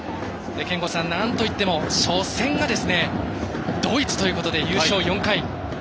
憲剛さん、なんといっても初戦が、ドイツということで優勝４回。